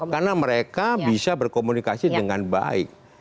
karena mereka bisa berkomunikasi dengan baik